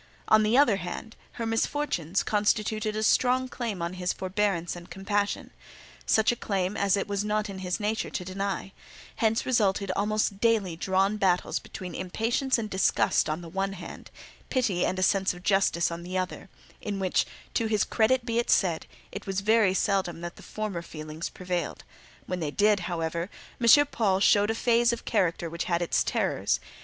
On the other hand, her misfortunes, constituted a strong claim on his forbearance and compassion—such a claim as it was not in his nature to deny; hence resulted almost daily drawn battles between impatience and disgust on the one hand, pity and a sense of justice on the other; in which, to his credit be it said, it was very seldom that the former feelings prevailed: when they did, however, M. Paul showed a phase of character which had its terrors.